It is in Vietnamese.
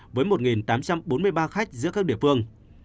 với một tám trăm bốn mươi ba khách giữa các địa phương